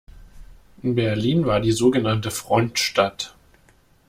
Berlin war die sogenannte Frontstadt.